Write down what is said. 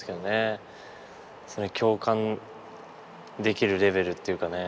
共感できるレベルっていうかね。